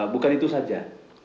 bukan itu saja